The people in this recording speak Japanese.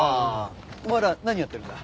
お前ら何やってるんだ？